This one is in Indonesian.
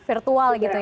virtual gitu ya